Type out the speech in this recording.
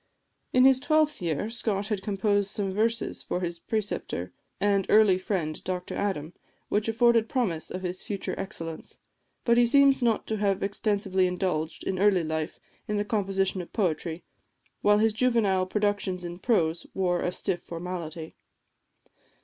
In his twelfth year, Scott had composed some verses for his preceptor and early friend Dr Adam, which afforded promise of his future excellence. But he seems not to have extensively indulged, in early life, in the composition of poetry, while his juvenile productions in prose wore a stiff formality.